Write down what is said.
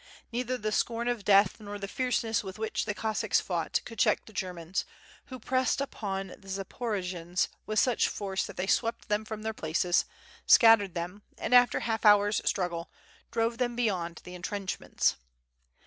Neither the scorn of death nor the fierceness with which the Cossacks fought, could check the Germans, who pressed upon the Zaporojians with such force that they swept them from their places, scattered them, and after a half hour's struggle, drove them beyond the entrenchments.